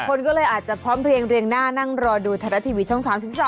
คนก็เลยอาจจะพร้อมเรียงเรียงหน้านั่งรอดูไทยรัฐทีวีช่อง๓๒